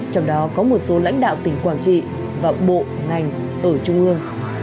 trong đó có một số lãnh đạo tỉnh quảng trị và bộ ngành ở trung ương